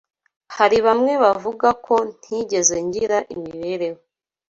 Hari bamwe bavuga ko ntigeze ngira imibereho